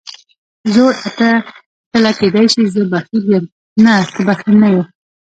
زوړ اتله، کېدای شي زه بخیل یم، نه ته بخیل نه یې.